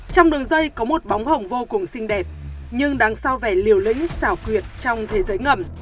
trong đường dây có một bóng hổng vô cùng xinh đẹp nhưng đáng sao vẻ liều lĩnh xảo quyệt trong thế giới ngầm